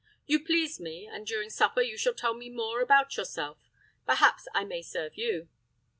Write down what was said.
You pleased me, and during supper you shall tell me more about yourself. Perhaps I may serve you."